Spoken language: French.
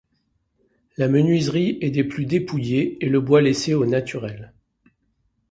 La menuiserie est des plus dépouillées et le bois laissé au naturel.